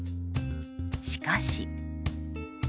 しかし。